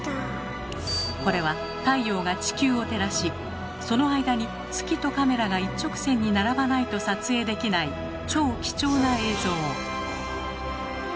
これは太陽が地球を照らしその間に月とカメラが一直線に並ばないと撮影できない超貴重な映像。